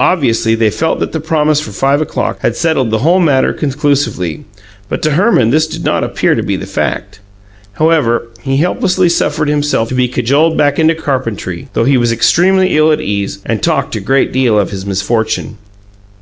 Obviously, they felt that the promise for five o'clock had settled the whole matter conclusively; but to Herman this did not appear to be the fact. However, he helplessly suffered himself to be cajoled back into carpentry, though he was extremely ill at ease and talked a great deal of his misfortune.